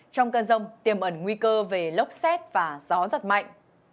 trong cơn rông tiềm ẩn nguy cơ về lốc xét và gió giật mạnh